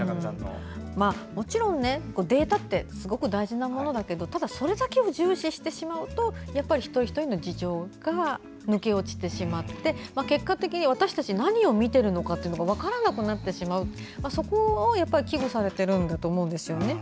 もちろんデータはすごく大事なものだけどただそれだけを重視してしまうと一人一人の事情が抜け落ちてしまって、結果的に分からなくなってしまうそこを危惧されてるんだと思うんですね。